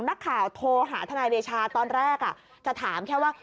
นักข่าวโทรหาทนายเดชาตอนแรกจะถามแค่ว่า